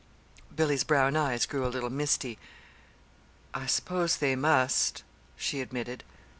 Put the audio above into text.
Billy's brown eyes grew a little misty. "I suppose they must," she admitted.